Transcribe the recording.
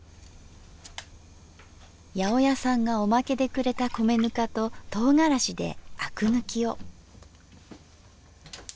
八百屋さんがオマケでくれた米ぬかととうがらしであく抜きを。